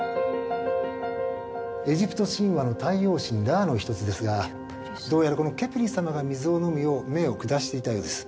エジプト神話の太陽神ラーの一つですがどうやらこのケプリ様が水を飲むよう命を下していたようです。